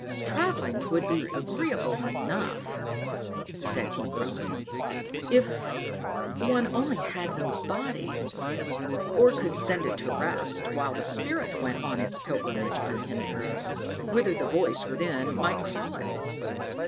"Travelling would be agreeable enough," said he groaning, "if one only had no body, or could send it to rest while the spirit went on its pilgrimage unhindered, whither the voice within might call it.